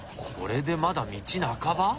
これでまだ道半ば？